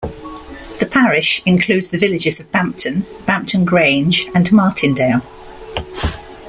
The parish includes the villages of Bampton, Bampton Grange and Martindale.